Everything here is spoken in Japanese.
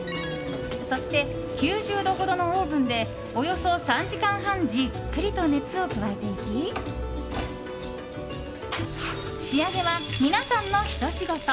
そして、９０度ほどのオーブンでおよそ３時間半じっくりと熱を加えていき仕上げは、皆さんのひと仕事。